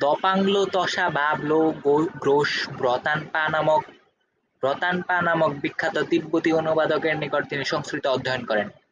দ্পাং-লো-ত্সা-বা-ব্লো-গ্রোস-ব্র্তান-পা নামক বিখ্যাত তিব্বতী অনুবাদকের নিকট তিনি সংস্কৃত অধ্যয়ন করেন।